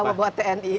sampai bawa buat tni